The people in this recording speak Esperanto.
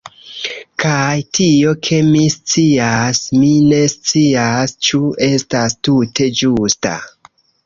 Kaj tio ke mi scias, mi ne scias ĉu estas tute ĝusta..